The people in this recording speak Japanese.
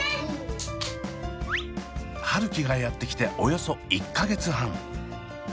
春輝がやって来ておよそ１か月半。